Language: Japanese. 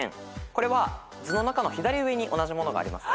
これは図の中の左上に同じものがあります。